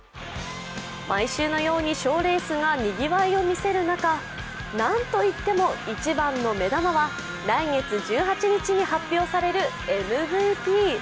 毎週のように賞レースがにぎわいを見せる中なんといっても一番の目玉は来月１８日に発表されるＭＶＰ。